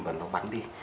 và nó bắn đi